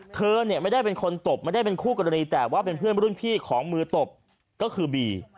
เธอเนี่ยไม่ได้เป็นคนตบไม่ได้เป็นคู่กรณีแต่ว่าเป็นเพื่อนรุ่นพี่ของมือตบก็คือบี